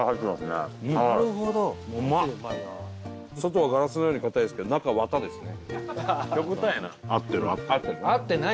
外はガラスのように硬いですけど中は綿ですね。